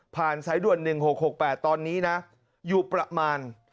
สายด่วน๑๖๖๘ตอนนี้นะอยู่ประมาณ